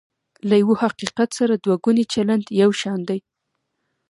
له یوه حقیقت سره دوه ګونی چلند یو شان دی.